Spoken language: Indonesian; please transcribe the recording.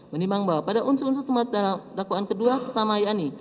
menimbang bahwa pada unsur unsur dalam dakwaan kedua pertama yani